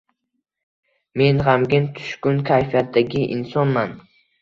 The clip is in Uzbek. Men gʻamgin, tushkun kayfiyatdagi insonman.